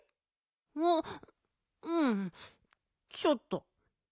あっうんちょっと。